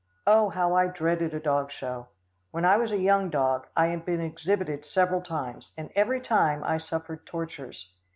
Oh! how I dreaded a dog show. When I was a young dog, I had been exhibited several times, and every time I suffered tortures.